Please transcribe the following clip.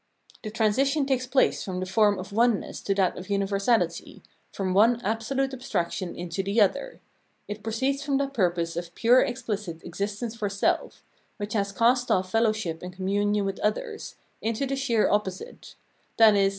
The transition takes place from the form of oneness to that of universahty, from one absolute abstraction into the other ; it proceeds from that purpose of pure exphcit existence for self, which has cast off fellowship and communion with others, into the sheer opposite — i.e.